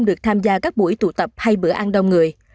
được tham gia các buổi tụ tập hay bữa ăn đông người